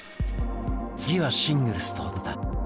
次はシングルスと団体。